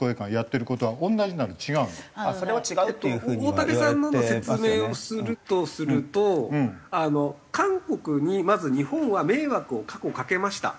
大竹さんへの説明をするとすると韓国にまず日本は迷惑を過去かけました。